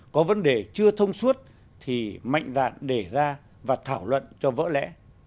có vấn đề chưa thông suốt thì mạnh đạn để ra và thảo luận cho vỡ lẽ